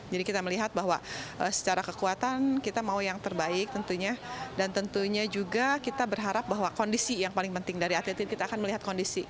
jadi kita melihat bahwa secara kekuatan kita mau yang terbaik tentunya dan tentunya juga kita berharap bahwa kondisi yang paling penting dari atletin kita akan melihat kondisi